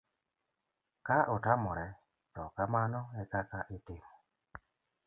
ka otamore to kamano ekaka itimo